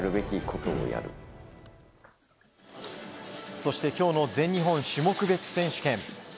そして今日の全日本種目別選手権。